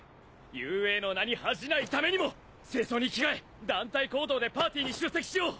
雄英の名に恥じないためにも正装に着替え団体行動でパーティーに出席しよう！